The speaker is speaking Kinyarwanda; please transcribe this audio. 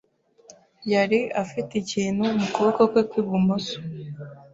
yari afite ikintu mu kuboko kwe kw'ibumoso.